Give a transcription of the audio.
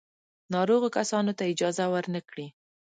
ناروغو کسانو ته اجازه ور نه کړي.